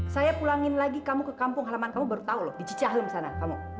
saya pulangin lagi kamu ke kampung halaman kamu baru tahu loh di cicahem sana kamu